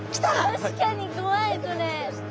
確かに怖いこれ。